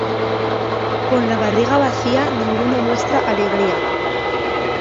Con la barriga vacía, ninguno muestra alegría.